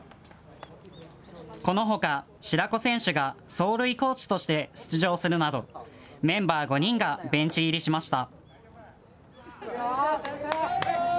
このほか白子選手が走塁コーチとして出場するなどメンバー５人がベンチ入りしました。